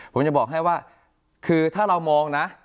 ผมจะบอกให้ว่าคือถ้าเรามองนะ